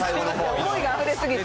思いがあふれ過ぎて。